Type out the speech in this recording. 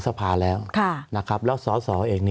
สวัสดีครับทุกคน